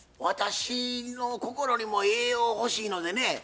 私の心にも栄養欲しいのでね